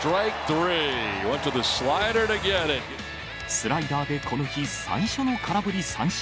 スライダーで、この日最初の空振り三振。